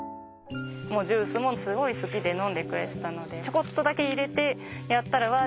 ジュースもすごい好きで飲んでくれてたのでちょこっとだけ入れてやったらわあ